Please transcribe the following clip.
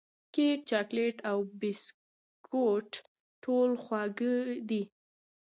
کیک، چاکلېټ او بسکوټ ټول خوږې دي.